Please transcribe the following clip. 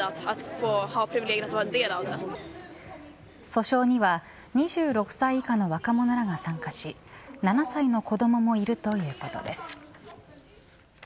訴訟には２６歳以下の若者らが参加し７歳の子どももいるということです。